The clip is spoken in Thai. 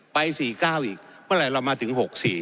๔๙อีกเมื่อไหร่เรามาถึง๖๔